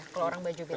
keluaran bajo bili